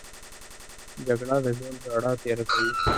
جګړه د ژوند رڼا تیاره کوي